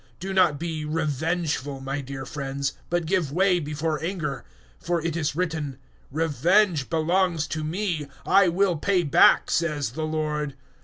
012:019 Do not be revengeful, my dear friends, but give way before anger; for it is written, "`Revenge belongs to Me: I will pay back,' says the Lord."